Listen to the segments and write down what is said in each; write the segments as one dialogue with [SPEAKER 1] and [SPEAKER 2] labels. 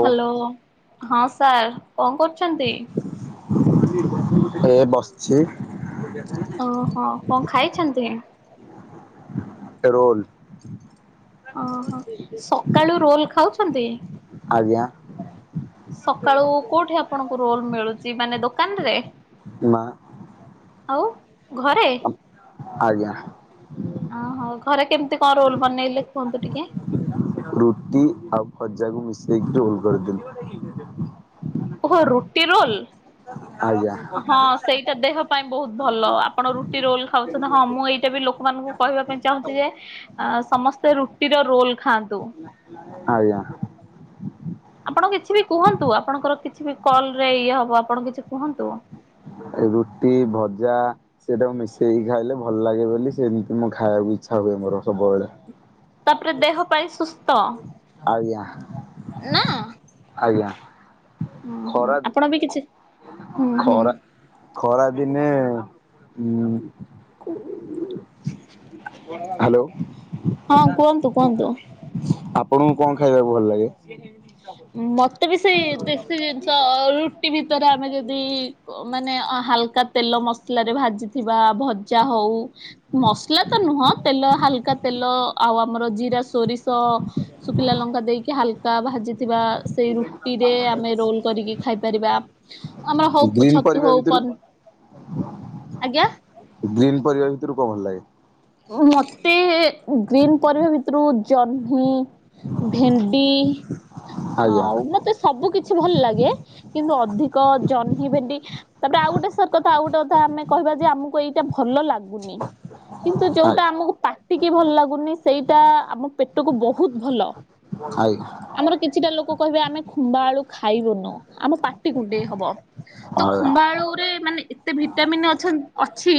[SPEAKER 1] Hello ହଁ sir କଣ କରୁଛନ୍ତି?
[SPEAKER 2] ଏ ବସଛି।
[SPEAKER 1] ଓହୋ କଣ ଖାଇଛନ୍ତି?
[SPEAKER 2] ଟେ ରୋଲ।
[SPEAKER 1] ଓହୋ ସକାଳୁ ରୋଲ ଖାଉଛନ୍ତି?
[SPEAKER 2] ଆଜ୍ଞା।
[SPEAKER 1] ସକାଳୁ କୋଉଠି ଆପଣଙ୍କୁ ରୋଲ ମିଳୁଛି ମାନେ ଦୋକାନରେ?
[SPEAKER 2] ମା
[SPEAKER 1] ଘରେ
[SPEAKER 2] ଆଜ୍ଞା।
[SPEAKER 1] ଓହୋ ଘରେ କେମିତି କଣ ରୋଲ ବନେଇଲେ କୁହନ୍ତୁ ଟିକେ?
[SPEAKER 2] ରୁଟି ଆଉ ଭଜାକୁ ମିଶେଇକି ରୋଲ କରିଦେଲୁ।
[SPEAKER 1] ଓହ ରୁଟି ରୋଲ।
[SPEAKER 2] ଆଜ୍ଞା।
[SPEAKER 1] ହଁ ସେଇ ଟା ଦେହ ପାଇଁ ବହୁତ ଭଲ ଆପଣ ରୁଟି ରୋଲ ଖାଉଛନ୍ତି ହଁ ମୁଁ ଏଇଟା ବି ଲୋକମାନଙ୍କୁ କହିବା ପାଇଁ ଚାହୁଁଛି ଯେ ଆ ସମସ୍ତେ ରୁଟିର ରୋଲ ଖାଆନ୍ତୁ।
[SPEAKER 2] ଆଜ୍ଞା।
[SPEAKER 1] ଆପଣ କିଛି ବି କୁହନ୍ତୁ ଆପଣଙ୍କର କିଛି ବି କଲରେ ଇଏ ହବ ଆପଣ କିଛି କୁହନ୍ତୁ?
[SPEAKER 2] ରୁଟି ଭଜା। ସେଇଟା ମିଶେଇକି ଖାଇଲେ ଭଲ ଲାଗେ ବୋଲି ସେମିତି ମୁଁ ଖାଇବାକୁ ଇଚ୍ଛା ହୁଏ ମୋର ସବୁବେଳେ।
[SPEAKER 1] ତାପରେ ଦେହ ପାଇଁ ସୁସ୍ଥ
[SPEAKER 2] ଆଜ୍ଞା
[SPEAKER 1] ନା। ହୁଁ
[SPEAKER 2] ଆଜ୍ଞା।
[SPEAKER 1] ହୁଁ ହଁ
[SPEAKER 2] ଖରା
[SPEAKER 1] ଆପଣ ବି କିଛି ହୁଁ ହୁଁ।
[SPEAKER 2] ଖରାଦିନେ ଉଁ କୁଁ ହ୍ୟାଲୋ।
[SPEAKER 1] ହଁ କୁହନ୍ତୁ କୁହନ୍ତୁ।
[SPEAKER 2] ଆପଣଙ୍କୁ କଣ ଖାଇବାକୁ ଭଲ ଲାଗେ?
[SPEAKER 1] ମତେ ବି ସେଇ ଦେଶୀ ଜିନିଷ ରୁଟି ଭିତରେ ଆମେ ଯଦି ମାନେ ହାଲକା ତେଲ ମସଲାରେ ଭାଜିଥିବା ଭଜା ହଉ। ମସଲା ତ ନୁହଁ ତେଲ ହାଲକା ତେଲ ଆଉ ଆମର ଜିରା ସୋରିଷ ଶୁଖିଲା ଲଙ୍କା ଦେଇକି ହାଲକା ଭାଜିଥିବା। ସେ ରୁଟିରେ ଆମେ ରୋଲ କରିକି ଖାଇପାରିବା। ଆମର ହଉ
[SPEAKER 2] ଗ୍ରୀନ୍
[SPEAKER 1] ଛତୁ
[SPEAKER 2] ପରିବା
[SPEAKER 1] ହଉ
[SPEAKER 2] ଭିତରୁ
[SPEAKER 1] ପନ ଆଜ୍ଞା।
[SPEAKER 2] ଗ୍ରୀନ୍ ପରିବା ଭିତରୁ କଣ ଭଲ ଲାଗେ?
[SPEAKER 1] ମତେ ଗ୍ରୀନ୍ ପରିବା ଭିତରୁ ଜହ୍ନି ଭେଣ୍ଡି
[SPEAKER 2] ଆଜ୍ଞା
[SPEAKER 1] ଆଉ ମତେ ସବୁ କିଛି ଭଲ ଲାଗେ କିନ୍ତୁ ଅଧିକ ଜହ୍ନି ଭେଣ୍ଡି। ତାପରେ ଆଉ ଗୋଟେ ସାର୍ କଥା ଆଉ ଗୋଟେ କଥା ଆମେ କହିବା ଯେ ଆମକୁ ଏଇଟା ଭଲ ଲାଗୁନି। କିନ୍ତୁ
[SPEAKER 2] ଆ
[SPEAKER 1] ଯୋଉଟା ଆମକୁ ପାଟିକି ଭଲ ଲାଗୁନି ସେଇଟା ଆମ ପେଟକୁ ବହୁତ ଭଲ
[SPEAKER 2] ହାଇ।
[SPEAKER 1] ଆମର କିଛିଟା ଲୋକ କହିବେ ଆମେ ଖୁମ୍ବା ଆଳୁ ଖାଇବୁନୁ ଆମ ପାଟି ପାଟି କୁଣ୍ଡେଇ ହବ ତ
[SPEAKER 2] ଆଜ୍ଞା
[SPEAKER 1] ଖୁମ୍ଭାଳୁ ରେ ମାନେ ଏତେ ଭିଟାମିନ୍ ଅଛଚ୍ ଅଛି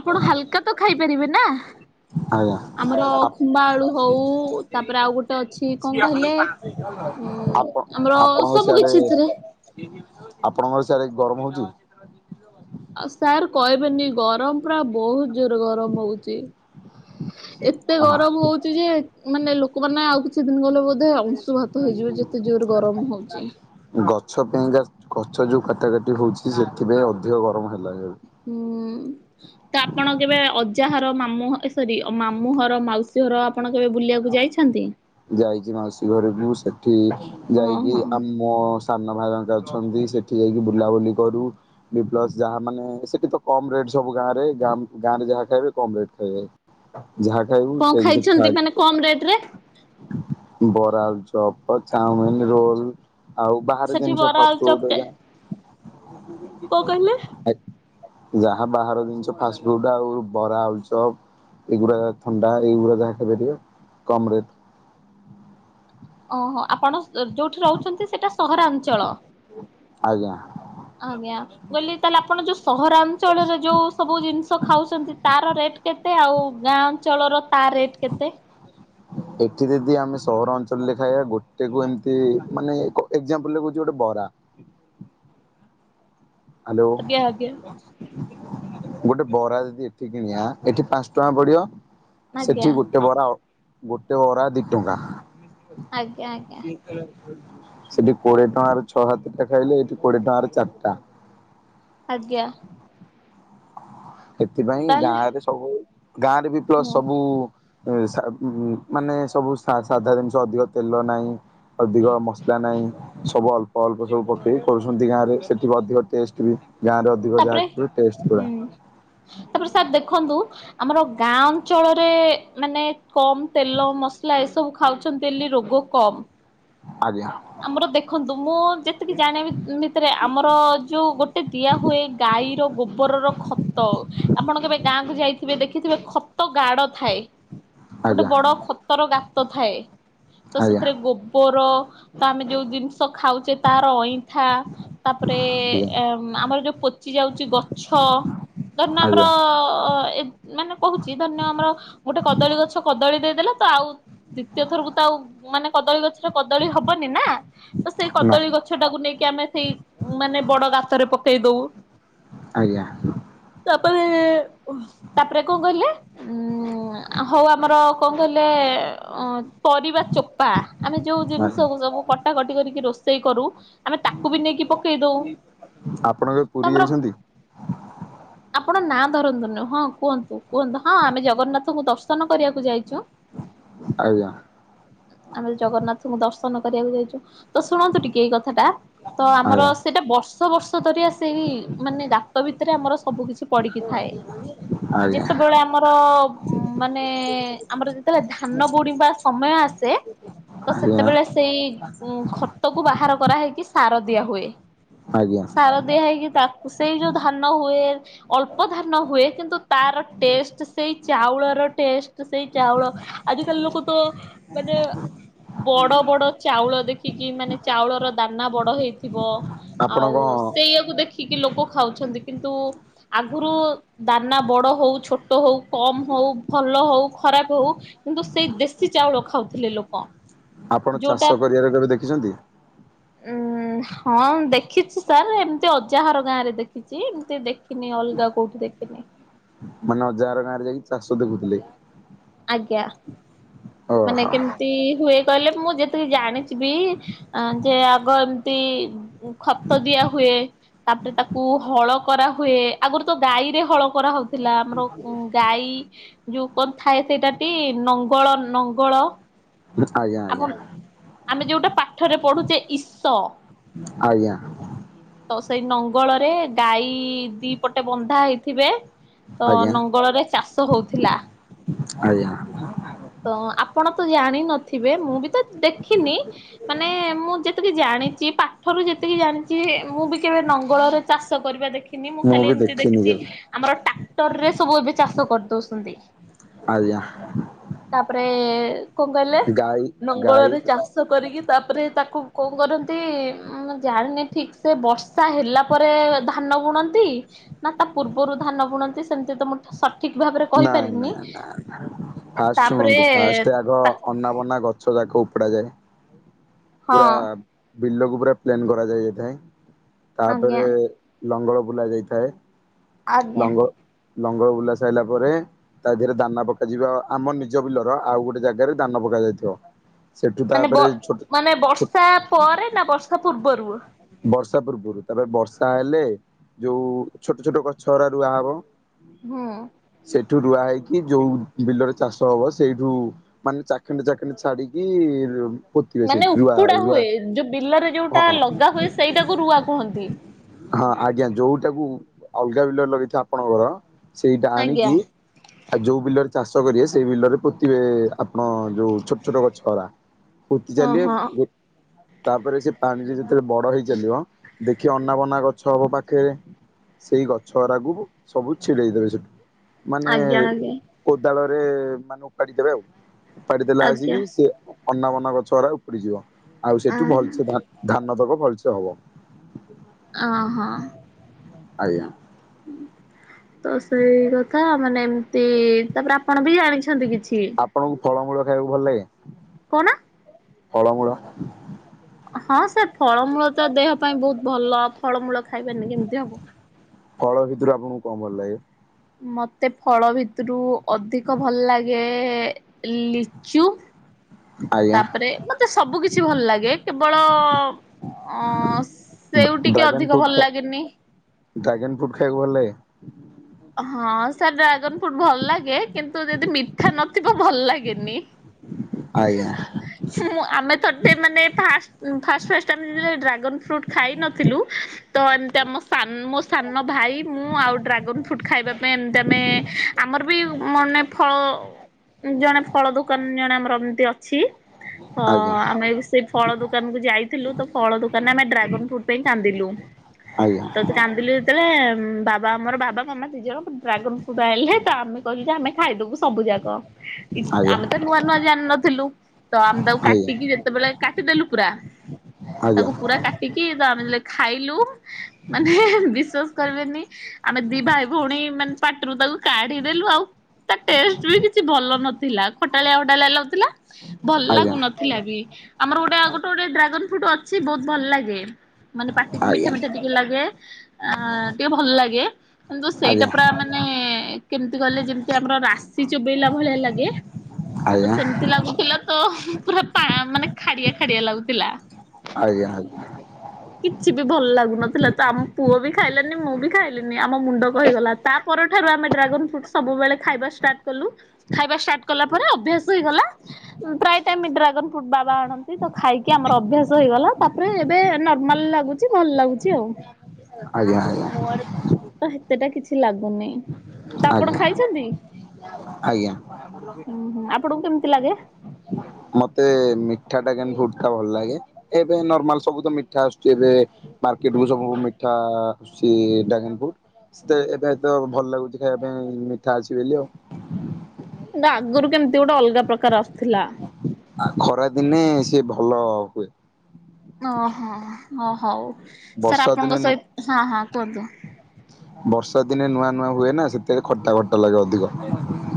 [SPEAKER 1] ଆପଣ ହାଲକା ତ ଖାଇପାରିବେ ନା।
[SPEAKER 2] ଆଜ୍ଞା।
[SPEAKER 1] ଆମର
[SPEAKER 2] ଆପ
[SPEAKER 1] ଖୁମ୍ବା ଆଳୁ ହୋଉ ତାପରେ ଆଉ ଗୋଟେ ଅଛି କଣ କହିଲେ
[SPEAKER 2] ସେୟା ପା।
[SPEAKER 1] ହୁଁ, ଆମର ସବୁ କିଛି ଏଥିରେ
[SPEAKER 2] ଆପଣଙ୍କର ସାଡେ ଗରମ ହୋଉଚି?
[SPEAKER 1] ଆଉ ସାର୍ କହିବେନି ଗରମ ପୁରା ବୋହୁତ ଜୋରେ ଗରମ ହଉଚି। ଏତେ ଗରମ ହଉଚି
[SPEAKER 2] ହଁ
[SPEAKER 1] ଯେ ମାନେ ଲୋକମାନେ ଆଉ କିଛି ଦିନ ଗଲେ ବୋଧେ ଅଂଶୁଘାତ ହେଇଯିବେ ଯେତେ ଜୋର ଗରମ ହୋଉଚି।
[SPEAKER 2] ଗଛ ପେଇଁକା ଗଛ ଯୋଉ କଟା କାଟି ହୋଉଚି ସେଥିପାଇଁ ଅଧିକ ଗରମ ହେଲାଣି।
[SPEAKER 1] ହୁଁ। ତ ଆପଣ କେବେ ଅଜାଘର ମାମଁ ସରି ମାମୁଁଘର ମାଉସୀ ଘର ଆପଣ କେବେ ବୁଲିଆକୁ ଯାଇଛନ୍ତି?
[SPEAKER 2] ଯାଇଚି ମାଉସୀ ଘରକୁ ସେଠି ଯାଇକି
[SPEAKER 1] ଓହୋ
[SPEAKER 2] ଆମ ସାନ ଭାଇ ମାନେ ଜାଉଛନ୍ତି ସେଠି ଯାଇକି ବୁଲାବୁଲି କରୁ। ବି ପ୍ଲସ ଯାହା ମାନେ ସେଠି ତ କମ ରେଟ୍ ସବୁ ଗାଁରେ ଗାଁ ଗାଁରେ ଯାହା ଖାଇବେ କମ ରେଟ୍ ରେ ଖାଇବେ। ଯାହା ଖାଇବୁ
[SPEAKER 1] କଣ
[SPEAKER 2] ଯାଇକି ସେଠି
[SPEAKER 1] ଖାଇଛନ୍ତି
[SPEAKER 2] ଖାଆଖି
[SPEAKER 1] ମାନେ
[SPEAKER 2] କରୁ।
[SPEAKER 1] କମ ରେଟ୍ ରେ।
[SPEAKER 2] ବରା, ଆଳୁଚପ, ଚାଓମିନି, ରୋଲ। ଆଉ ବାହାରେ
[SPEAKER 1] ସେଠି
[SPEAKER 2] ଜିନିଷ
[SPEAKER 1] ବରା
[SPEAKER 2] ଫାଷ୍ଟ
[SPEAKER 1] ଆଳୁଚପ
[SPEAKER 2] ଫୁଡ୍ ରେ
[SPEAKER 1] କେ
[SPEAKER 2] ଜାହା
[SPEAKER 1] କଣ କହିଲେ?
[SPEAKER 2] ଆଜ୍ଞା। ଯାହା ବାହାର ଜିନିଷ ଫାଷ୍ଟଫୁଡ ଆଉ ବରା, ଆଳୁଚପ। ଏଗୁଡା ଥଣ୍ଡା ଏଗୁଡା ଯାହା ଖାଇପାରିବ କମ ରେଟ୍।
[SPEAKER 1] ଓହୋ ଆପଣ ଯୋଉଠି ରହୁଚନ୍ତି ସେଟା ସହରାଞ୍ଚଳ?
[SPEAKER 2] ଆଜ୍ଞା।
[SPEAKER 1] ଆଜ୍ଞା ମୁଁ କହିଲି ଆପଣ ଯୋଉ ସହରାଞ୍ଚଳରେ ଯୋଉ ସବୁ ଜିନିଷ ଖାଉଚନ୍ତି ତାର ରେଟ୍ କେତେ ଆଉ ଗାଁ ଅଞ୍ଚଳର ତା ରେଟ୍ କେତେ?
[SPEAKER 2] ଏଠି ଯଦି ଆମେ ସହର ଅଞ୍ଚଳରେ ଖାଇବା ଗୋଟେକୁ ଏମିତି ମାନେ ଏକ୍ଜାମ୍ପୁଲରେ କହିଛି ଗୋଟେ ବରା। ହାଲୋ।
[SPEAKER 1] ଆଜ୍ଞା ଆଜ୍ଞା।
[SPEAKER 2] ଗୋଟେ ବରା ଯଦି ଏଠି କିଣିଆ ଏଠି ପାଞ୍ଚଟଙ୍କା ପଡିବ
[SPEAKER 1] ଆଜ୍ଞା
[SPEAKER 2] ସେଠି ଗୋଟେ ଗୋଟେ ବରା ଗୋଟେ ବରା ଦିଇ ଟଙ୍କା।
[SPEAKER 1] ଆଜ୍ଞା ଆଜ୍ଞା।
[SPEAKER 2] ସେଠି କୋଡିଏ ଟଙ୍କାରେ ଛଅ ସାତ ଟା ଖାଇଲେ ଏଠି କୋଡିଏ ଟଙ୍କାରେ ଚାରିଟା।
[SPEAKER 1] ଆଜ୍ଞା।
[SPEAKER 2] ସେଥିପାଇଁ
[SPEAKER 1] ତାହେଲେ
[SPEAKER 2] ଗାଁରେ ସବୁ ଗାଁ ରେ ବି ପ୍ଲସ
[SPEAKER 1] ହଁ
[SPEAKER 2] ସବୁ ଏ ସା ମାନେ ସବୁ ସା ସାଧା ଜିନିଷ ଅଧିକ ତେଲ ନାହିଁ ଅଧିକ ମସଲା ନାହିଁ ସବୁ ଅଳ୍ପ ଅଳ୍ପ ସବୁ ପକେଇ କରୁଛନ୍ତି ଗାଁରେ ସେଠି ଅଧିକ ଟେଷ୍ଟ ବି ଗାଁରେ ଅଧିକ
[SPEAKER 1] ତାପରେ
[SPEAKER 2] ଯାହା ଟେଷ୍ଟ ପୁରା।
[SPEAKER 1] ହୁଁ ତାପରେ ସାର୍ ଦେଖନ୍ତୁ ଆମର ଗାଁ ଅଞ୍ଚଳରେ ମାନେ କମ ତେଲ ମସଲା ଏସବୁ ଖାଉଛନ୍ତି ବୋଲି ରୋଗ କମ।
[SPEAKER 2] ଆଜ୍ଞା
[SPEAKER 1] ଆମର ଦେଖନ୍ତୁ ମୁଁ ଯେତିକି ଜାଣିଆ ଭିତରେ ଆମର ଯୋଉ ଗୋଟେ ଦିଆ ହୁଏ ଗାଈର ଗୋବରର ଖତ ଆପଣ କେବେ ଗାଁକୁ ଯାଇଥିବେ ଦେଖିଥିବେ ଖତ ତ ଗାଡ ଥାଏ ଗୋଟେ
[SPEAKER 2] ଆଜ୍ଞା
[SPEAKER 1] ବଡ ଖତର ଗାତ ଥାଏ ତ
[SPEAKER 2] ଆଜ୍ଞା
[SPEAKER 1] ସେଥିରେ ଗୋବ ଗୋଵର ତ ଆମେ ଯୋଉ ଜିନିଷ ଖାଉଛେ ତାର ଅଇଁଠା ତାପରେ
[SPEAKER 2] ଆଜ୍ଞା
[SPEAKER 1] ଆମର ଯୋଉ ପଚି ଯାଉଛି ଗଛ ଧରିନିଅ ଆମର
[SPEAKER 2] ଆଜ୍ଞା
[SPEAKER 1] ଏ ମାନେ କହୁଛି ଧରିନିଅ ଆମର ଗୋଟେ କଦଳୀ ଗଛ କଦଳୀ ଦେଇଦେଲା ତ ଆଉ ଦ୍ୱିତୀୟ ଥରକୁ ତ ଆଉ ମାନେ କଦଳୀ ଗଛ ରେ କଦଳୀ ହବନି ନା ତ ସେଇ
[SPEAKER 2] ନା
[SPEAKER 1] କଦଳୀ ଗଛଟାକୁ ନେଇକି ଆମେ ସେଇ ମାନେ ବଡ ଗାତ ତରେ ପକେଇ ଦଉ।
[SPEAKER 2] ଆଜ୍ଞା।
[SPEAKER 1] ତା ପରେ ତାପରେ କଣ କହିଲେ? ଉଁ ହଉ ଆମର କଣ କହିଲେ ଅ ପରିବା ଚୋପା ଆମେ ଯୋଉ
[SPEAKER 2] ଆଜ୍ଞା
[SPEAKER 1] ଜିନିଷ କୁ ସବୁ କଟାକଟି କରିକି ରୋଷେଇ କରୁ। ଆମେ ତାକୁ ବି ନେଇକି ପକେଇ ଦଉ।
[SPEAKER 2] ଆ
[SPEAKER 1] ତମର। ଆପଣ ନାଁ ଧରନ୍ତୁନି ହଁ କୁହନ୍ତୁ କୁହନ୍ତୁ ହଁ ଆମେ ଜଗନ୍ନାଥଙ୍କୁ ଦର୍ଶନ କରିବାକୁ ଯାଇଛୁ।
[SPEAKER 2] ଆଜ୍ଞା।
[SPEAKER 1] ଆମେ ଜଗନ୍ନାଥଙ୍କୁ ଦର୍ଶନ କରିବାକୁ ଯାଇଛୁ। ତ ଶୁଣନ୍ତୁ ଟିକେ ଏଇ କଥାଟା ତ ଆମର
[SPEAKER 2] ଆଜ୍ଞା
[SPEAKER 1] ସେଇଟା ବର୍ଷ। ଦ ବର୍ଷ ଧରି ଆ ସେଇ ମାନେ ଗାତ ଭିତରେ ଆମର ସବୁ କିଛି। ପଡିକି ଥାଏ
[SPEAKER 2] ଆଜ୍ଞା
[SPEAKER 1] ଯେତେବେଳେ ଆମ ଆମର ମାନେ ଆମର ଯେତେବେଳେ ଧାନ ବୁଣିବା ସମୟ ଆସେ। ତ
[SPEAKER 2] ଆଜ୍ଞା
[SPEAKER 1] ସେତେବେଳେ ସେଇ ଉ ଖତ କୁ ବାହାର କରା ହେଇକି ସାର ଦିଆ ହୁଏ।
[SPEAKER 2] ଆଜ୍ଞା
[SPEAKER 1] ସାର ଦିଆ ହେଇକି ତାକୁ ସେଇ ଯୋଉ ଧାନ ହୁଏ। ଅଳ୍ପ ଧାନ ହୁଏ କିନ୍ତୁ ତାର ଟେଷ୍ଟ ସେଇ ଚାଉଳର ଟେଷ୍ଟ। ତ ସେଇ ଚାଉଳ ଆଜିକାଲି ଲୋକ ତ ମାନେ ବଡ଼ ବଡ଼ ଚାଉଳ ଦେଖିକି ମାନେ ଚାଉଳର ଦାନା ବଡ଼ ହେଇଥିବ।
[SPEAKER 2] ଆପଣ
[SPEAKER 1] ଆଉ
[SPEAKER 2] କଣ
[SPEAKER 1] ସେଇୟାକୁ ଦେଖିକି ଲୋକ ଖାଉଛନ୍ତି କିନ୍ତୁ। ଆଗରୁ ଦାନା ବଡ ହଉ, ଛୋଟ ହଉ, କମ ହଉ, ଭଲ ହଉ, ଖରାପ ହଉ। କିନ୍ତୁ ସେଇ ଦେଶୀ ଚାଉଳ ଖାଉଥିଲେ ଲୋକ।
[SPEAKER 2] ଆପଣ
[SPEAKER 1] ଯୋଉଟା
[SPEAKER 2] ଚାଷ କରିବାର କେବେ ଦେଖିଛନ୍ତି?
[SPEAKER 1] ଉଁ ହଁ ଦେଖିଛି ସାର୍ ଏମିତି ଅଜାଘର ଗାଁ ରେ ଦେଖିଛି ଏମିତି ଦେଖ। କିନି ଅଲଗା କୋଉଠି ଦେଖିନି।
[SPEAKER 2] ମାନେ ଅଜାଘର ଗାଁରେ ଯାଇକି ଚାଷ ଦେଖୁଥିଲେ।
[SPEAKER 1] ଆଜ୍ଞା।
[SPEAKER 2] ଓହୋ
[SPEAKER 1] ମାନେ
[SPEAKER 2] ଆଜ୍ଞା
[SPEAKER 1] କେମିତି ହୁଏ କହିଲେ ମୁଁ ଯେତିକି ଜାଣିଚିବି ଯେ ଆଗ। ଖତ ଦିଆ ହୁଏ ତାପରେ ତାକୁ ହଳ। କରାହୁଏ ଆଗରୁ ତ ଗାଈରେ ହଳ କରା ହଉଥିଲା ଆମର ଗାଈ। ଯୋଉ କଣ ଥାଏ ସେଇଟା ଟି ନଙ୍ଗଳ ନଙ୍ଗଳ ଆପଣ
[SPEAKER 2] ଆଜ୍ଞା
[SPEAKER 1] ଆମେ ଯୋଉଟା ପାଠରେ ପଢୁଛେ ଈସ।
[SPEAKER 2] ଆଜ୍ଞା
[SPEAKER 1] ତ ସେଇ ନଙ୍ଗଳରେ ଗାଈ ଦି ପଟେ ବନ୍ଧା ହେଇଥିବେ। ତ
[SPEAKER 2] ଆଜ୍ଞା
[SPEAKER 1] ନଙ୍ଗଳରେ ଚାଷ ହଉଥିଲା।
[SPEAKER 2] ଆଜ୍ଞା।
[SPEAKER 1] ତ ଆପଣ ତ ଜାଣିନଥିବେ ମୁଁ ବି ତ ଦେଖିନି ମାନେ ମୁଁ ଯେତିକି ଜାଣିଛି ପାଠରୁ ଯେତିକି ଜାଣିଛି ମୁଁ ବି କେବେ ନ ଗଳରେ ଚାଷ କରିବା ଦେଖି। ମୁଁ ଖାଲି
[SPEAKER 2] ବି
[SPEAKER 1] ଏମିତି
[SPEAKER 2] ଦେଖିନି
[SPEAKER 1] ଦେଖିଛି
[SPEAKER 2] କେବେ
[SPEAKER 1] ଆମର ଟ୍ରାକ୍ଟରରେ ସବୁ ଏବେ ଚାଷ କରି ଦଉଛନ୍ତି।
[SPEAKER 2] ଆଜ୍ଞା।
[SPEAKER 1] ତାପରେ କଣ କହିଲେ?
[SPEAKER 2] ଗାଈ
[SPEAKER 1] ନଙ୍ଗଳ
[SPEAKER 2] ଗାଈ
[SPEAKER 1] ର ଚାଷ ଷ କରିକି ତାପରେ ତାକୁ କଣ କରନ୍ତି ଆ ମୁ ଜାଣିନି ଠିକ୍ ସେ ବର୍ଷା ହେଲା ପରେ ଧାନ ବୁଣନ୍ତି। ନା ତା ପୂର୍ବରୁ ଧାନ ବୁଣନ୍ତି ସେମିତି ତ ମୁଁ ସଠିକ ଭାବରେ
[SPEAKER 2] ନାଇଁ
[SPEAKER 1] କହିପାରିବିନି।
[SPEAKER 2] ନାଇଁ ନାଇଁ ଫାଷ୍ଟ
[SPEAKER 1] ତାପରେ
[SPEAKER 2] ଶୁଣନ୍ତୁ ଫାଷ୍ଟ ଆଗ ଅନା ବନା ଗଛ ଯାକ ଉପଡା ଯାଏ। ପୁରା
[SPEAKER 1] ହଁ
[SPEAKER 2] ବିଲକୁ ପୁରା ପ୍ଲେନ୍ କରାଯାଇଥାଏ।
[SPEAKER 1] ଆଜ୍ଞା
[SPEAKER 2] ତାପରେ ଲଙ୍ଗଳ ବୁଲା ଯାଇଥାଏ।
[SPEAKER 1] ଆଜ୍ଞା।
[SPEAKER 2] ଲଙ୍ଗ ଲଙ୍ଗଳ ବୁଲା ସାରିଲା ପରେ ତା ଦେହରେ ଦାନା ପକାଯିବ। ଆମ ନିଜ ବିଲର ଆଉ ଗୋଟେ ଜାଗାରେ ଦାନ ପକା ଯାଇଥିବ। ସେଠୁ
[SPEAKER 1] ମାନେ ବ
[SPEAKER 2] ତାପରେ ଛୋଟ
[SPEAKER 1] ମାନେ
[SPEAKER 2] ଛୋ
[SPEAKER 1] ବର୍ଷା ପରେ ନା ବର୍ଷା ପୂର୍ବରୁ?
[SPEAKER 2] ବର୍ଷା ପୂର୍ବରୁ ତାପରେ ବର୍ଷା ହେଲେ ଯୋଉ ଛୋଟ ଛୋଟ ଗଛଗୁରା ରୁଆ ହବ।
[SPEAKER 1] ହଁ।
[SPEAKER 2] ସେଇଠୁ ରୁଆ ହେଇକି ଯୋଉ ବିଲରେ ଚାଷ ହବ ସେଇଠୁ ମାନେ ଚାଖଣ୍ଡେ ଚାଖଣ୍ଡେ ଛାଡିକି ପୋତିବେ ସେ
[SPEAKER 1] ମାନେ
[SPEAKER 2] ରୁଆ
[SPEAKER 1] ଉପୁଡା
[SPEAKER 2] ରୁଆ
[SPEAKER 1] ହୁଏ ଯୋଉ ବିଲରେ
[SPEAKER 2] ହ
[SPEAKER 1] ଯୋଉଟା
[SPEAKER 2] ହଁ।
[SPEAKER 1] ଲଗା ହୁଏ ସେଇଟାକୁ ରୁଆ କୁହନ୍ତି।
[SPEAKER 2] ହଁ ଆଜ୍ଞା ଯୋଉଟାକୁ ଅଲଗା ବିଲରେ ଲଗେଇଥିବେ ଆପଣଙ୍କର ସେଇଟା ଆଣି
[SPEAKER 1] ଆଜ୍ଞା
[SPEAKER 2] ଆଉ ଯୋଉ ବିଲରେ ଚାଷ କରିବେ ସେଇ ବିଲରେ ପୋତିିବେ ଆପଣ ଯୋଉ ଛୋଟ ଛୋଟ ଗଛ ଗରା। ପୋତି
[SPEAKER 1] ହଁ ହଁ
[SPEAKER 2] ଚାଲିବେ। ତାପରେ ସେ ପାଣିରେ ଯେତେବେଳେ ବଡ ହେଇ ଚାଲିବ ଦେଖିବେ ଅନା ବନା ଗଛ ହବ ପାଖରେ। ସେଇ ଗଛ ଗୁଡାକୁ ସବୁ ଛିଡେଇ ଦେବେ ସେଠୁ। ମାନେ
[SPEAKER 1] ଆଜ୍ଞା ଆଜ୍ଞା
[SPEAKER 2] କୋଦାଳରେ ମାନେ ଓପାଡିଦେବେ ଆଉ। ଓପାଡି ଦେଲା
[SPEAKER 1] ଆଜ୍ଞା।
[SPEAKER 2] ଆସିକି ସେ ଅନା ବନା ଗଛ ଗଡା ଉପୁଡିଯିବ ଆଉ ସେଇଠୁ
[SPEAKER 1] ଓହୋ।
[SPEAKER 2] ଭଲସେ ଧାନ ଧାନ ଦକ ଭଲସେ ହବ।
[SPEAKER 1] ଓ ହୋ।
[SPEAKER 2] ଆଜ୍ଞା।
[SPEAKER 1] ତ ସେଇ କଥା ମାନେ ଏମିତି ତାପରେ ଆପଣ ବି ଜାଣିଚନ୍ତି କିଛି
[SPEAKER 2] ଆପଣଙ୍କୁ ଫଳମୂଳ ଖାଇବାକୁ ଭଲ ଲାଗେ?
[SPEAKER 1] କଣ?
[SPEAKER 2] ଫଳମୂଳ?
[SPEAKER 1] ହଁ ସେ ଫଳମୂଳ ତ ଦେହ ପାଇଁ ବହୁତ ଭଲ। ଫଳମୂଳ ଖାଇବାନି କେମିତି ହବ?
[SPEAKER 2] ଫଳ ଭିତରୁ ଆପଣଙ୍କୁ କଣ ଭଲ ଲାଗେ?
[SPEAKER 1] ମତେ ଫଳ ଭିତରୁ ଅଧିକ ଭଲ ଲାଗେ ଲିଚୁ।
[SPEAKER 2] ଆଜ୍ଞା।
[SPEAKER 1] ତାପରେ ମତେ ସବୁ କିଛି ଭଲ ଲାଗେ। କେବଳ ଅ ସେଉ ଟିକେ ଅଧିକ ଭଲ ଲାଗେନି।
[SPEAKER 2] ଡ୍ରାଗେନ୍ ଫ୍ରୁଟ ଖାଇବାକୁ ଭଲ ଲାଗେ?
[SPEAKER 1] ହଁ ସାର୍ ଡ୍ରାଗନ ଫ୍ରୁଟ୍ ଭଲ ଲାଗେ। କିନ୍ତୁ ଯଦି ମିଠା ନଥିବ ଭଲ ଲାଗେନି। ହଁ!
[SPEAKER 2] ଆଜ୍ଞା।
[SPEAKER 1] ସି ମୁଁ ଆମେ ଥରଟେ ମାନେ ଫାଷ୍ଟ ଫାଷ୍ଟ ଫାଷ୍ଟ ଆମେ ଯେତେବେଳେ ଡ୍ରାଗନ୍ ଫ୍ରୁଟ୍ ଖାଇ ନଥିଲୁ ତ ଏମିତି ଆମ ସାନ୍ ମୋ ସାନ ଭାଇ ମୁଁ ଆଉ ଡ୍ରାଗନ ଫ୍ରୁଟ ଖାଇବା ପାଇଁ ଏମତି ଆମେ ଆମର ବି ମାନେ ଫଳ ଜଣେ ଫଳ ଦୋକାନ ଜଣେ ଆମର ଏମତି ଅଛି ତ
[SPEAKER 2] ଆଜ୍ଞା।
[SPEAKER 1] ଆମେ ବି ସେ ଫଳ ଦୋକାନକୁ ଯାଇଥିଲୁ। ତ ଫଳ ଦୋକାନରେ ଆମେ ଡ୍ରାଗନ ଫ୍ରୁଟ୍ ପାଇଁ କାନ୍ଦିଲୁ
[SPEAKER 2] ଆଜ୍ଞା
[SPEAKER 1] ତ ସେ କାନ୍ଦ ଇଲୁ ଯେତେବେଳେ ବାବା ଆମର ବାବା ମାମା ଦି ଜଣ ଡ୍ରାଗନ୍ ଫ୍ରୁଟ୍ ଆଣିଲଲେ ତ ଆମେ କହିଲୁ ଯେ ଆମେ ଖାଇଦବୁ ସବୁ ଯାକ।
[SPEAKER 2] ଆଜ୍ଞା
[SPEAKER 1] ଇ-ଆମେ ତ ନୂଆ ନୂଆ ଜାଣି ନଥିଲୁ, ତ ଆମେ ତାକୁ କାଟିକି ଯେତେବେଳେ କାଟିଦେଲୁ ପୁରା
[SPEAKER 2] ଆଜ୍ଞା
[SPEAKER 1] ତାକୁ ପୁରା କା ଟିକି ତ ଆମେ [unintelligible] ଖାଇଲୁ ମାନେ ବିଶ୍ଵାସ କରିବେନି ଆମେ ଦି ଭାଇ ଭଉଣୀ ମାନେ ପାଟିରୁ ତାକୁ କାଢିଦେଲୁ, ଆଉ ତା ଟେଷ୍ଟ ବି କିଛି ଭଲ ନଥିଲା, ଖଟାଳିଆ ଖଟାଳିଆ ଲାଗୁଥିଲା ଭଲ
[SPEAKER 2] ଆଜ୍ଞା
[SPEAKER 1] ଲାଗୁନ ଥିଲା ବି, ଆମର ଗୋଟେ ଗୋଟେ ଗୋଟେ ଡ୍ରାଗନ୍ ଫ୍ରୁଟ୍ ଅଛି ବହୁତ ଭଲ ଲାଗେ। ମାନେ ପାଟିକି
[SPEAKER 2] ଆଜ୍ଞା
[SPEAKER 1] ମିଠା
[SPEAKER 2] ଆଜ୍ଞା।
[SPEAKER 1] ମିଠା ଟିକେ ଲାଗେ, ଅ, ଟିକେ ଭଲ ଲାଗେ, କିନ୍ତୁ ସେଇଟା
[SPEAKER 2] ଆଜ୍ଞା
[SPEAKER 1] ପୁରା ମାନ ନେ କେମତି କହିଲେ ଯେମିତି ଆମର ରାଶି ଚୋବେେଇଲା ଭଳିଆ ଲାଗେ। ତ
[SPEAKER 2] ଆଜ୍ଞା
[SPEAKER 1] ସେମିତି ଲାଗୁଥିଲା ତ ପୁରା ପା-ମାନେ ଖାଡିଆ ଖାଡିଆ ଲାଗୁଥିଲା।
[SPEAKER 2] ଆଜ୍ଞା, ଆଜ୍ଞା।
[SPEAKER 1] କିଛି ବି ଭଲ ଲାଗୁନଥିଲା, ତ ଆମ ପୁଅ ବି ଖାଇଲାନି ମୁଁ ବି ଖାଇଲିନି ଆମ ମୁଣ୍ଡ କ ହେଇଗଲା, ତା ପରଠାରୁ ଆମେ ଡ୍ରାଗନ୍ ଫ୍ରୁଟ୍ ସବୁବେଳେ ଖାଇବା ଷ୍ଟାର୍ଟ କଲୁ। ଖାଇବା ଷ୍ଟାର୍ଟ କଲା ପରେ ଅଭ୍ୟାସ ହେଇଗଲା। ହୁଁ, ପ୍ରାୟ ଟାଇମ୍ ବି ଡ୍ରାଗନ୍ ଫ୍ରୁଟ୍ ବାବା ଆଣନ୍ତି ତ ଖାଇକି ଆମର ଅଭ୍ୟାସ ହେଇଗଲା। ତାପରେ ଏବେ ନର୍ ମାଲ୍ ଲାଗୁଛି, ଭଲ ଲାଗୁଛି ଆଉ।
[SPEAKER 2] ଆଜ୍ଞା, ଆଜ୍ଞା।
[SPEAKER 1] ତ ସେତେଟା କିଛି ଲାଗୁନି,
[SPEAKER 2] ଆଜ୍ଞା
[SPEAKER 1] ତ
[SPEAKER 2] ଆଜ୍ଞା
[SPEAKER 1] ଆପଣ ଖାଇଛନ୍ତି?
[SPEAKER 2] ଆଜ୍ଞା।
[SPEAKER 1] ଅଁ, ହଁ ଆପଣଙ୍କୁ କେମିତି ଲାଗେ?
[SPEAKER 2] ମୋତେ ମିଠା ଡ୍ରାଗନ୍ ଫୁଡ୍ ଟା ଭଲ ଲାଗେ। ଏବେ ନର୍ମାଲ୍ ସବୁ ତ ମି ଠା ଆସୁଛି ଏବେ ମାର୍କେଟ୍ କୁ ସବୁ ମିଠା। ଉସୁ ଡ୍ରାଗନ୍ ଫ୍ରୁଡ୍ ସେତେ ଏବେ ତ ଭଲ ଲାଗୁଛି ଖାଇବା ପାଇଁ ମିଠା ଅଛି ବୋଲି ଆଉ।
[SPEAKER 1] ନା ଆଗରୁ କେମିତି ଗୋଟେ ଅଲଗା ପ୍ରକାର ଆସୁଥିଲା।
[SPEAKER 2] ଆ, ଖରା ଦିନେ ସିଏ ଭଲ ହୁଏ।
[SPEAKER 1] ଓ ହଁ, ଓ ହୋଉ ସାର୍
[SPEAKER 2] ବର୍ଷା ଦିନେ
[SPEAKER 1] ଆପଣଙ୍କ ସହି ହଁ ହଁ କୁହନ୍ତୁ
[SPEAKER 2] ବର୍ଷା ଦିନେ ନୂଆ ନୂଆ ହୁଏ ନା ସେଥିରେ ଖଟା ଖଟା ଲାଗେ ଅଧିକ।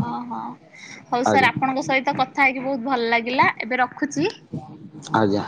[SPEAKER 1] ହଁ, ହଁ ହଉ ସାର୍
[SPEAKER 2] ଆଜ୍ଞା
[SPEAKER 1] ଆପଣଙ୍କ ସହିତ କଥା ହେଇକି ବହୁତ ଭଲ ଲାଗିଲା। ଏବେ ରଖୁଚି?
[SPEAKER 2] ଆଜ୍ଞା।